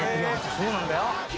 そうなんだよ。